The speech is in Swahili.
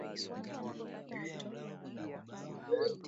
Msongamano wa wanyama